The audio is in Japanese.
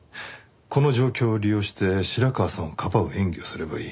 この状況を利用して白川さんをかばう演技をすればいい。